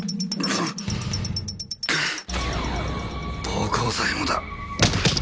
暴行罪もだ。